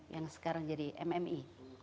yang sekarang jadi mmi